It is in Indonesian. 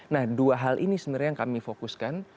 nah dua hal ini sebenarnya yang kami fokuskan